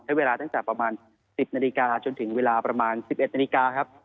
ใช้เวลาตั้งจากประมาณ๑๐นิตยาจนถึงเวลาประมาณ๑๑นิตยาครับ